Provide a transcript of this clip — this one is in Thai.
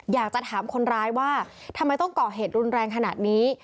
อยากจะถามคนร้ายว่าทำไมต้องก่อเหตุรุนแรงขนาดนี้